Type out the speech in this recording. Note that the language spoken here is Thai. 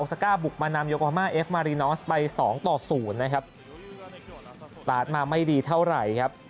สตาร์ทมาไม่ดีเท่าไหร่ครับ